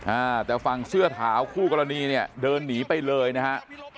อ่าแต่ฝั่งเสื้อขาวคู่กรณีเนี่ยเดินหนีไปเลยนะฮะ